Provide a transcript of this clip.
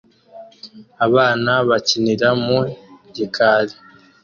Abana bakinira mu gikari